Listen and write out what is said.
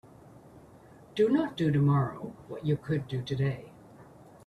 Do not do tomorrow what you could do today.